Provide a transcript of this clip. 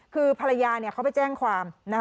คือภรรยาเขาไปแจ้งความ